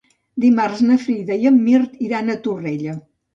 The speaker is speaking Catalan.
Dimarts na Frida i en Mirt iran a Torrella.